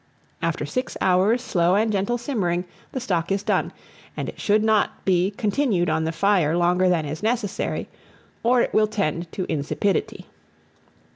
After six hours' slow and gentle simmering, the stock is done; and it should not be continued on the fire, longer than is necessary, or it will tend to insipidity.